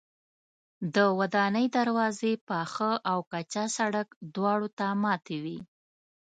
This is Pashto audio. د ودانۍ دروازې پاخه او کچه سړک دواړو ته ماتې وې.